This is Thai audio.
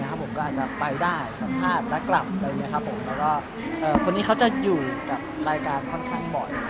ก็อาจจะไปได้สัมภาษณ์และกลับและคนนี้เขาจะอยู่กับรายการค่อนข้างบ่อย